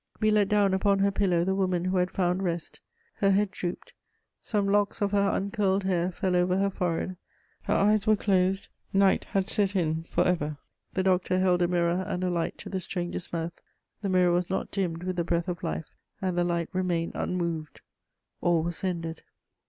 We let down upon her pillow the woman who had found rest; her head drooped. Some locks of her uncurled hair fell over her forehead; her eyes were closed, night had set in for ever. The doctor held a mirror and a light to the stranger's mouth: the mirror was not dimmed with the breath of life and the light remained unmoved. All was ended.